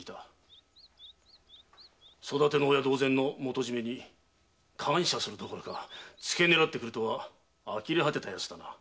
育ての親同然の元締に感謝するどころかつけ狙ってくるとはあきれ果てた奴だな。